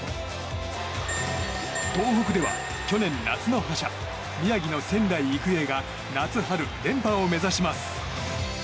東北では去年夏の覇者宮城の仙台育英が夏、春連覇を目指します。